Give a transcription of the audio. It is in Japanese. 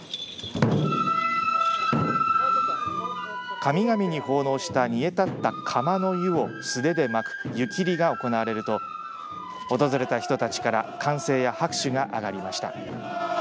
神々に奉納した煮え立った釜の湯を素手でまく湯切りが行われると訪れた人たちから歓声や拍手が上がりました。